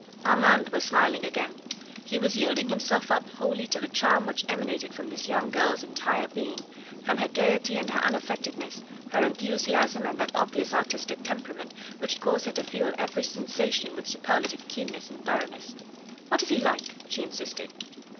Armand was smiling again. He was yielding himself up wholly to the charm which emanated from this young girl's entire being, from her gaiety and her unaffectedness, her enthusiasm, and that obvious artistic temperament which caused her to feel every sensation with superlative keenness and thoroughness. "What is he like?" she insisted.